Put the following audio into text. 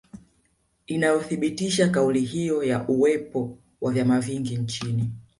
Inayothibitisha kauli hiyo ya uwepo wa vyama vingi nchini